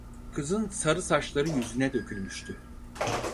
Kızın sarı saçları yüzüne dökülmüştü.